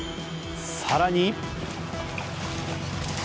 更に。